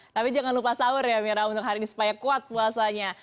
tapi jangan lupa sahur ya mira untuk hari ini supaya kuat puasanya